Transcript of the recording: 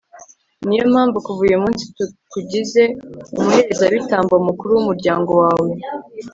ni yo mpamvu kuva uyu munsi tukugize umuherezabitambo mukuru w'umuryango wawe